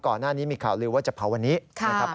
ก่อนหน้านี้มีข่าวลือว่าจะเผาวันนี้นะครับ